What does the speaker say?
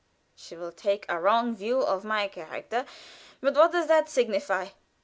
She will take a wrong view of my character, but what does that signify?